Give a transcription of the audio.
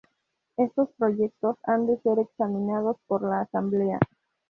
Estos proyectos han de ser examinados por la Asamblea.